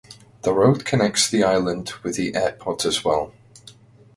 The Road connects the island with the airport as well.